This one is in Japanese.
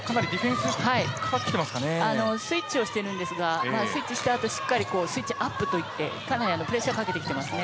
スイッチをしているんですがスイッチしたあとしっかりスイッチアップといってかなりプレッシャーをかけてきてますね。